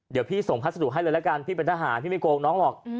เดี๋ยวพี่ส่งพัสดุให้เลยละกันพี่เป็นทหารพี่ไม่โกงน้องหรอก